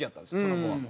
その子は。